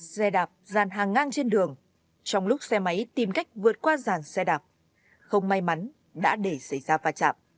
xe đạp dàn hàng ngang trên đường trong lúc xe máy tìm cách vượt qua dàn xe đạp không may mắn đã để xảy ra va chạm